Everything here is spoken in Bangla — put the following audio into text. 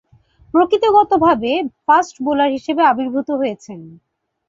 প্রকৃতিগতভাবে ফাস্ট বোলার হিসেবে আবির্ভূত হয়েছেন।